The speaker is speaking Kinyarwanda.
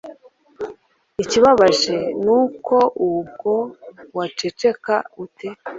Ikibabaje ni uko n’ubwo waceceka ute